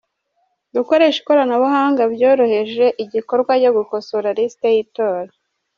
Gukoresha ikoranabuhanga byoroheje igikorwa cyo gukosora lisiti y’itora.